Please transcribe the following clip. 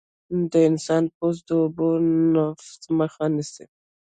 د انسان پوست د اوبو د نفوذ مخه نیسي.